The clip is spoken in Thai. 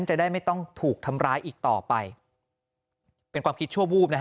จะได้ไม่ต้องถูกทำร้ายอีกต่อไปเป็นความคิดชั่ววูบนะฮะ